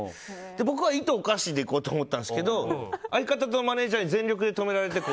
僕はイトオカシでいこうと思ったんですけど相方とマネジャーに全力で止められて。